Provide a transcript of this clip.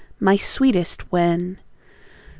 My sweetest 'When'!" C.